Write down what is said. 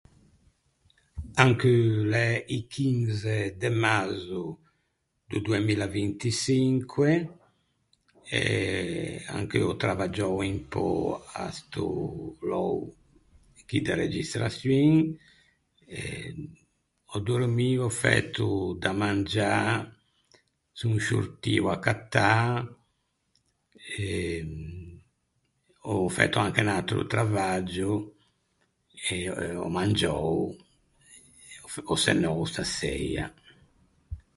Ancheu l’é i chinze de mazzo do doa milla vinti çinque, e ancheu ò travaggiou un pö à sto lou chì de registraçioin, eh, ò dormio, ò fæto da mangiâ, son sciortio à cattâ e ò fæto anche un atro travaggio e ò mangiou e ò çenou staseia.